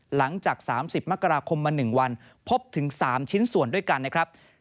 หลังจาก๓๐มกราคมมา๑วันพบถึง๓ชิ้นส่วนด้วยกันนะครับ